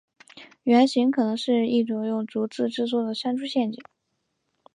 原型可能是一种用竹子制作的山猪陷阱。